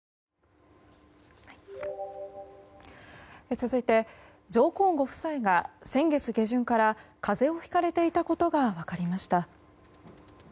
続いて、上皇ご夫妻が先月下旬から風邪をひかれていたことが分かりました。